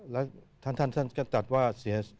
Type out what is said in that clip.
แล้วท่านท่านก็ตัดว่าเสีย